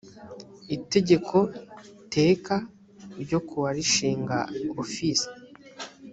itegeko teka ryo kuwa rishinga ofisi